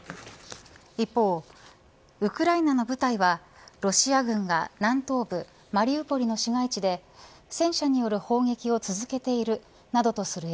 一方、ウクライナの部隊はロシア軍が南東部マリウポリの市街地で戦車による砲撃を続けている、などとする。